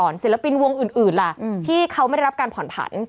ศิลปินวงอื่นล่ะที่เขาไม่ได้รับการผ่อนผัน